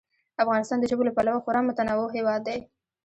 افغانستان د ژبو له پلوه خورا متنوع هېواد دی.